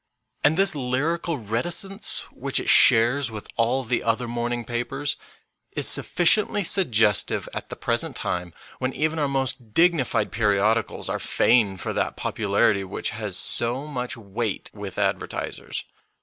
And this lyrical reticence, which it shares with all the other morning papers, is suffi ciently suggestive at the present time, when even our most dignified periodicals are fain for that popularity which has so much weight with advertisers.